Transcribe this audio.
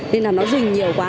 nên là nó rình nhiều quá